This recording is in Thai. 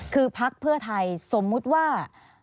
คือพักเพื่อไทยสมมุติว่า